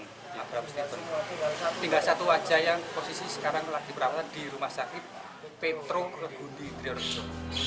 tinggal satu wajah yang posisi sekarang lagi berawatan di rumah sakit petro kregundi triorso